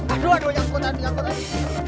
aduh aduh nyangkut hati hati